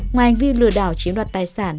ngoài hành vi lừa đảo chiếm đoạt tài sản